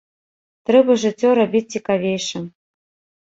Трэба жыццё рабіць цікавейшым.